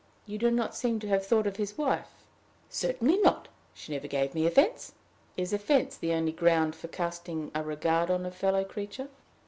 "You do not seem to have thought of his wife!" "Certainly not. She never gave me offense." "Is offense the only ground for casting a regard on a fellow creature?"